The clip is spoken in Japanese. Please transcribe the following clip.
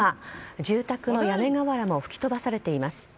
住宅の屋根瓦も吹き飛ばされています。